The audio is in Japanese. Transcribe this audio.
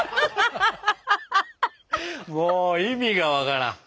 もう意味が分からん。